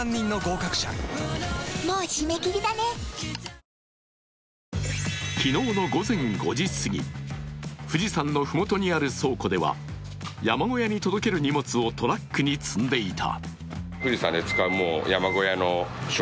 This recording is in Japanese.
「ソフランプレミアム消臭」昨日の午前５時すぎ、富士山のふもとにある倉庫では、山小屋に届ける荷物をトラックに積んでいた。